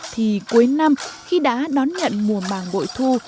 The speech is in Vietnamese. thì cuối năm khi đã đón nhận mùa màng bội thu